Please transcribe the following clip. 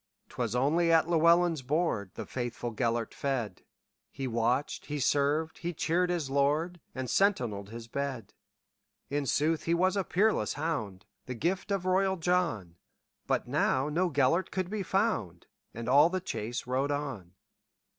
'T was only at Llewelyn's boardThe faithful Gêlert fed; He watched, he served, he cheered his lord, And sentineled his bed.In sooth he was a peerless hound, The gift of royal John; But now no Gêlert could be found, And all the chase rode on.